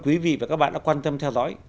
quý vị và các bạn đã quan tâm theo dõi